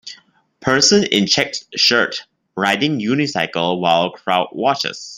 Person in checked shirt riding unicycle while crowd watches.